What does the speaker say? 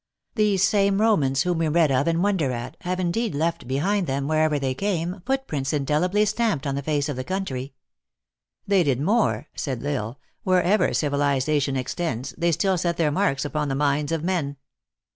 " These same llomans, whom we read of and wonder at, have in deed left behind them, wherever they came, foot prints indelibly stamped on the face of the coimtry." " They did more," said L Isle, " wherever civiliza tion extends, they still set their marks upon the minds of men."